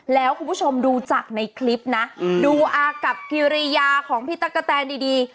แล้วคุณผู้ชมดูจากในคลิปนะดูอากับกิริยาของพี่ตั๊กกะแตนดี